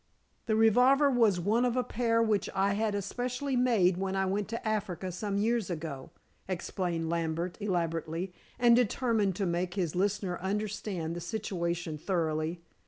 "The revolver was one of a pair which I had especially made when I went to Africa some years ago," explained Lambert elaborately, and determined to make his listener understand the situation thoroughly.